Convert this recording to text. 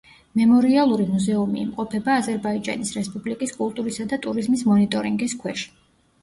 მემორიალური მუზეუმი იმყოფება აზერბაიჯანის რესპუბლიკის კულტურისა და ტურიზმის მონიტორინგის ქვეშ.